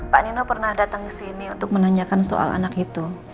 pak nino pernah datang ke sini untuk menanyakan soal anak itu